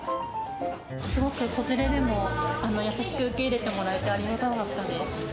すごく子連れでも優しく受け入れてもらえて、ありがたかったです。